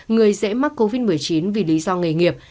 người dễ mắc covid một mươi chín vì lý do nghề nghiệp